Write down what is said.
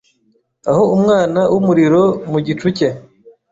Aho Umwana wumuriro mugicu cye